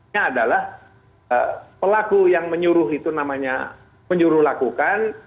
yang adalah pelaku yang menyuruh itu namanya menyuruh lakukan